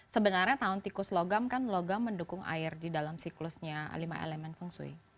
sebenarnya tahun tikus logam kan logam mendukung air di dalam siklusnya lima elemen feng shui